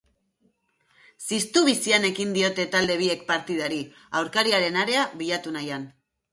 Ziztu bizian ekin diote talde biek partidari, aurkariaren area bilatu nahian.